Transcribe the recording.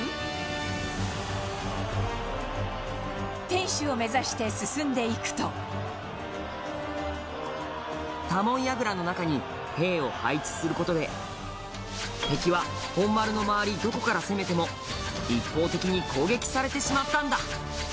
天守を目指して進んでいくと多聞櫓の中に兵を配置する事で敵は本丸の周り、どこから攻めても一方的に攻撃されてしまったんだ